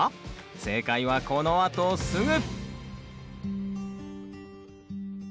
正解はこのあとすぐ！